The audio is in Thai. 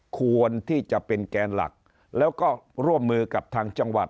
ควรที่จะเป็นแกนหลักแล้วก็ร่วมมือกับทางจังหวัด